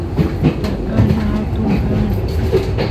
takana atun kan